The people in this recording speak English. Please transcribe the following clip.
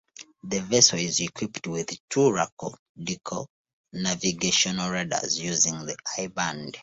The vessel is equipped with two Racal Decca navigational radars using the I band.